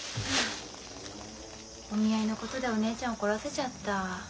お見合いのことでお姉ちゃん怒らせちゃった。